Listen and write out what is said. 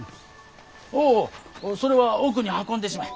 おいそれは奥に運んでしまえ。